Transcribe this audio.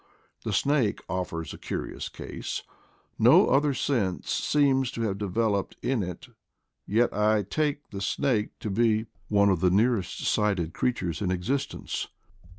The snake offers a curious case. No other sense seems to have developed in it, yet I take the snake to be one of the nearest sighted creatures in existence.